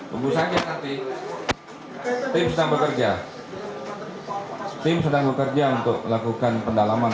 tunggu saja nanti tim sedang bekerja untuk melakukan pendalaman